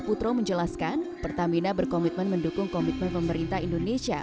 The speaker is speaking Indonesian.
pertamina power indonesia